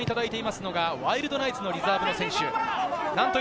ワイルドナイツのリザーブの選手。